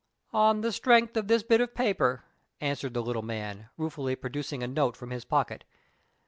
"On the strength of this bit of paper," answered the little man, ruefully producing a note from his pocket.